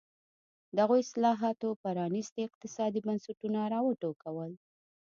دغو اصلاحاتو پرانېستي اقتصادي بنسټونه را وټوکول.